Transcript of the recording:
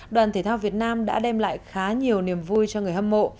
đoàn thể thao việt nam đã đem lại khá nhiều niềm vui cho người hâm mộ